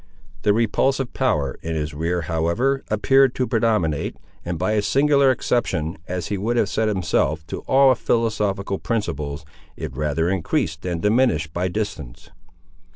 The repulsive power in his rear however appeared to predominate, and by a singular exception, as he would have said himself, to all philosophical principles, it rather increased than diminished by distance.